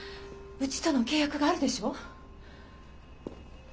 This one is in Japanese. うちとの契約があるでしょ？